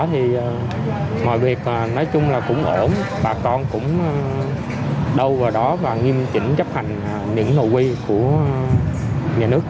thì mọi việc nói chung là cũng ổn bà con cũng đâu vào đó và nghiêm trình chấp hành những nội quy của nhà nước